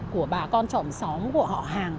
của bà con chồng xóm của họ hàng